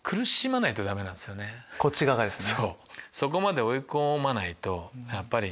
こっち側がですよね。